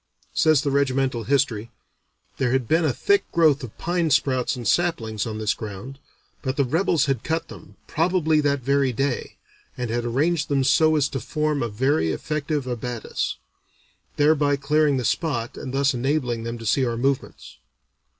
Says the regimental history, "There had been a thick growth of pine sprouts and saplings on this ground, but the rebels had cut them, probably that very day, and had arranged them so as to form a very effective abatis, thereby clearing the spot and thus enabling them to see our movements.